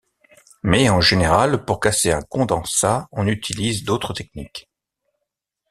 Mais en général pour casser un condensat, on utilise d'autres techniques.